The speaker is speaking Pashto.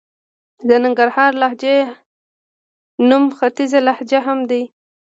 د ننګرهارۍ لهجې نوم ختيځه لهجه هم دئ.